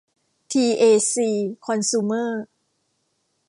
ที เอ ซี คอนซูเมอร์